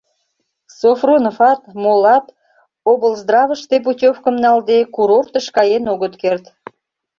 Софроноват, молат, облздравыште путёвкым налде, курортыш каен огыт керт.